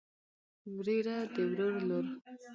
وريره د ورور لور.